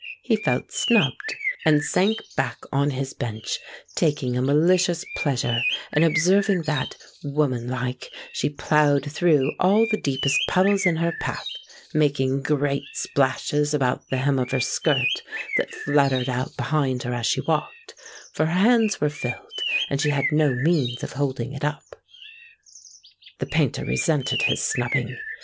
He felt snubbed, and sank back on his bench, taking a malicious pleasure in observing that, womanlike, she ploughed through all the deepest puddles in her path, making great splashes about the hem of her skirt, that fluttered out behind her as she walked, for her hands were filled, and she had no means of holding it up. The Painter resented his snubbing.